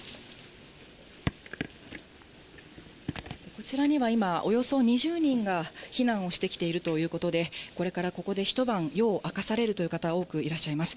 こちらには今、およそ２０人が避難をしてきているということで、これからここで一晩、夜を明かされるという方、多くいらっしゃいます。